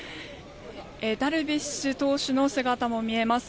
ダルビッシュ投手の姿も見えます。